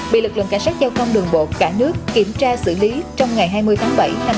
bị lực lượng cảnh sát giao thông đường bộ cả nước kiểm tra xử lý trong ngày hai mươi tháng bảy năm hai nghìn hai mươi